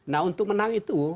nah untuk menang itu